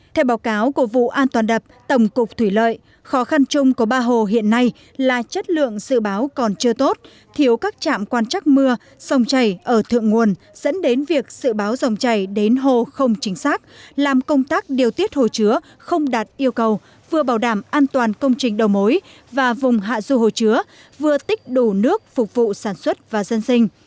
theo báo cáo của vụ an toàn đập tổng cục thủy lợi khó khăn chung của ba hồ hiện nay là chất lượng sự báo còn chưa tốt thiếu các trạm quan trắc mưa sông chảy ở thượng nguồn dẫn đến việc sự báo sông chảy đến hồ không chính xác làm công tác điều tiết hồ chứa không đạt yêu cầu vừa bảo đảm an toàn công trình đầu mối và vùng hạ du hồ chứa vừa tích đủ nước phục vụ sản xuất và dân sinh